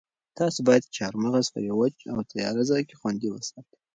تاسو باید چهارمغز په یوه وچ او تیاره ځای کې خوندي وساتئ.